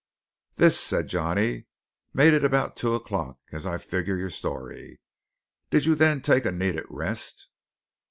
"This," said Johnny, "made it about two o'clock, as I figure your story. Did you then take a needed rest?"